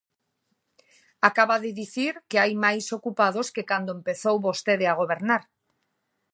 Acaba de dicir que hai máis ocupados que cando empezou vostede a gobernar.